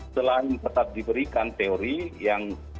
selain tetap diberikan teori yang